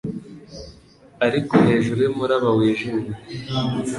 Ariko hejuru yumuraba wijimye